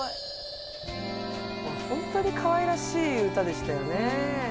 ほんとにかわいらしい歌でしたよねえ。